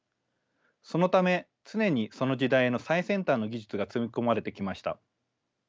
そのため常にその時代の最先端の技術がつぎ込まれてきました。